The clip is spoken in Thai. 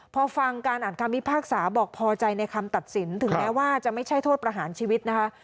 พอฟังการอ่านคำพิพากษาบอกพอใจในคำตัดสินถึงแม้ว่าจะไม่ใช่โทษประหารชีวิตนะคะ